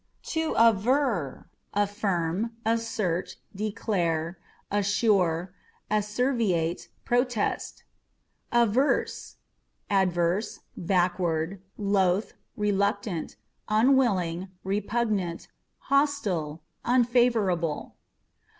To Aver â€" affirm, assert, declare, assure, asseverate, protest Averse â€" adverse, backward, loath, reluctant, unwilling, re pugnant, hostile, unfavorable.